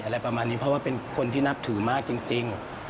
อะไรประมาณนี้เพราะว่าเป็นคนที่นับถือมากจริง